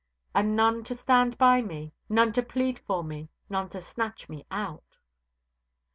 And none to stand by me; none to plead for me; none to snatch me out."